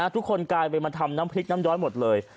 ทุกคนกลายไปมาทำน้ำพริกน้ำย้อยหมดเลย